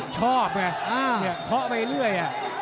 ชอบเนี่ยเขาไปเรื่อย